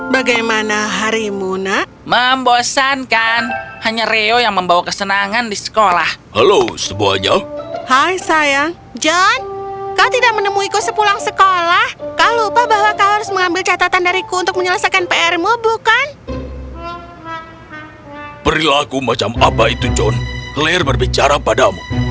berilaku macam apa itu john claire berbicara padamu